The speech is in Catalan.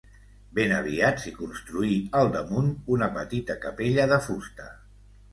Ben aviat s'hi construí al damunt una petita capella de fusta.